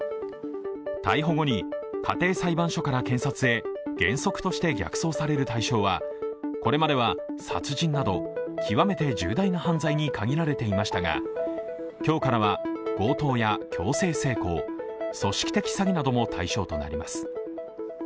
逮捕後に家庭裁判所から検察へ原則として逆送される対象はこれまでは殺人など極めて重大な犯罪に限られていましたが今日からは強盗や強制性交、組織的詐欺なども対象となります。